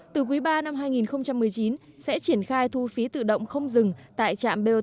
từ quý iii năm hai nghìn một mươi chín sẽ triển khai thu phí tự động không dừng tại trạm bot mỹ lộc